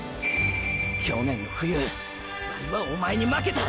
去年の冬ワイはおまえに負けた。